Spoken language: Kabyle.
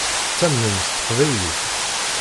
Ttamnen s teqbaylit.